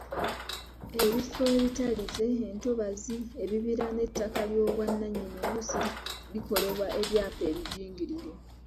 Ebifo ebitalize, entobazi, ebibira n'ettaka ly'obwannannyini oluusi likolerwa ebyapa ebijingirire.